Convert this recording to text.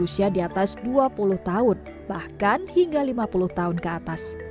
tukang sun di bali umumnya dilakoni kaum perempuan berusia di atas dua puluh tahun bahkan hingga lima puluh tahun ke atas